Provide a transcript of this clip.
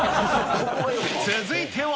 続いては。